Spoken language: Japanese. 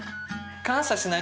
感謝しないとね。